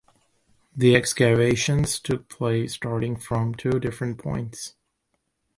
The excavations took place starting from two different points.